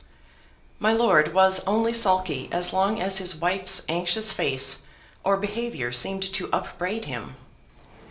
My lord was only sulky as long as his wife's anxious face or behavior seemed to upbraid him.